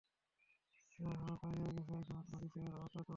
যা হওয়ার তা হয়ে গেছে, এখন কোনকিছুই আর বদলাতে পারবেন না।